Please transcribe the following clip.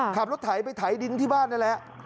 ขับรถไถไปไถดิ้งที่บ้านนี่แหละ